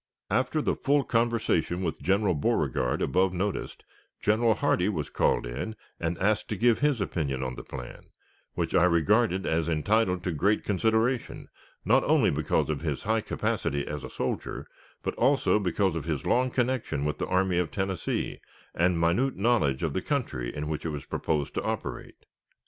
After the full conversation with General Beauregard above noticed, General Hardee was called in and asked to give his opinion on the plan, which I regarded as entitled to great consideration, not only because of his high capacity as a soldier, but also because of his long connection with the Army of Tennessee, and minute knowledge of the country in which it was proposed to operate.